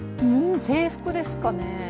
制服ですかね。